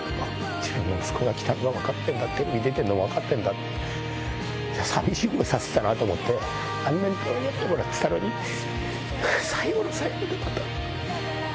自分の息子が来たのが分かったんだ、出てるのが分かったんだ、寂しい思いさせたなと思って、あんなにかわいがってもらってたのに、最後の最後でまた。